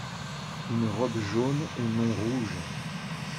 une robe jaune et non rouge.